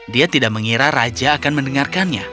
dia tidak mengira raja akan mendengarkannya